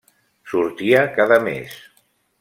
Sortia cada mes.